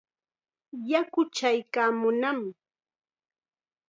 Yaku chaykaamunnam.